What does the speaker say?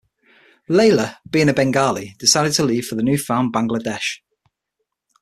Laila, being a Bengali, decided to leave for the new-found Bangladesh.